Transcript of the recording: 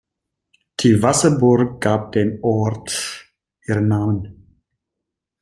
Die Wasserburg gab dem Ort ihren Namen.